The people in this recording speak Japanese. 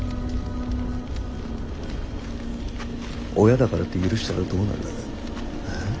親だからって許したらどうなる。